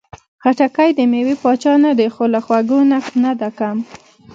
خټکی د مېوې پاچا نه ده، خو له خوږو نه ده کمه.